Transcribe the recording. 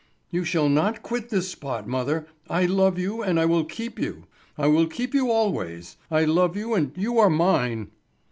"You shall not quit this spot, mother. I love you and I will keep you! I will keep you always—I love you and you are mine."